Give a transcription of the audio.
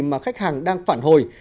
mà khách hàng đang phản hồi